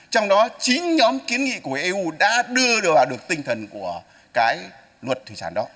trong đó chín nhóm kiến nghị của eu đã đưa vào được tinh thần của cái luật thủy sản đó